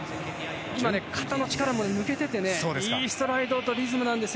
肩の力も抜けていていいストライドとリズムです。